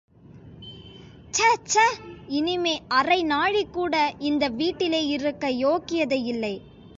சேச்சே, இனிமை அரை நாழிகூட இந்த வீட்டிலே இருக்க யோக்கியதை இல்லே.